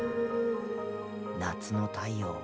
夏の太陽を。